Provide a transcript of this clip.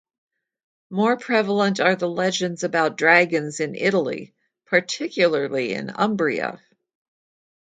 More prevalent are the legends about dragons in Italy, particularly in Umbria.